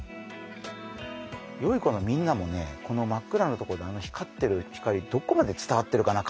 よい子のみんなもねこの真っ暗なとこで光ってる光どこまで伝わってるかな？